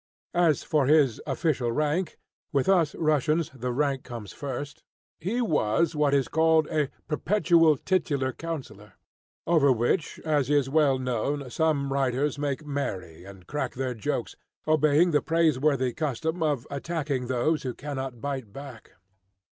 As for his official rank with us Russians the rank comes first he was what is called a perpetual titular councillor, over which, as is well known, some writers make merry and crack their jokes, obeying the praiseworthy custom of attacking those who cannot bite back.